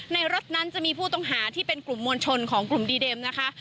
รถนั้นจะมีผู้ต้องหาที่เป็นกลุ่มมวลชนของกลุ่มดีเดมนะคะ